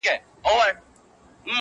میاشته کېږي بې هویته; بې فرهنګ یم;